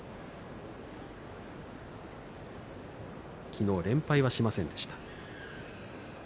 昨日、連敗はしませんでした。